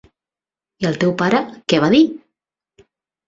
I el teu pare; què va dir?